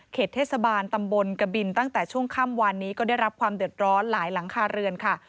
เทศบาลตำบลกบินตั้งแต่ช่วงค่ำวานนี้ก็ได้รับความเดือดร้อนหลายหลังคาเรือนค่ะ